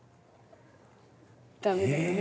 駄目だよね。